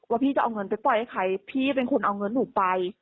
พี่จะเอาเงินไปปล่อยให้ใครพี่เป็นคนเอาเงินหนูไป